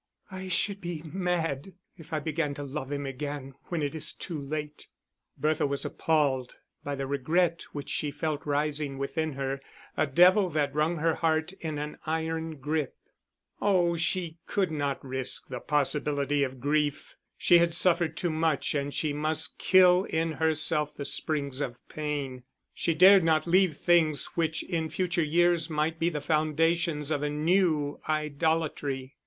"I should be mad if I began to love him again when it is too late." Bertha was appalled by the regret which she felt rising within her, a devil that wrung her heart in an iron grip. Oh, she could not risk the possibility of grief, she had suffered too much and she must kill in herself the springs of pain. She dared not leave things which in future years might be the foundations of a new idolatry.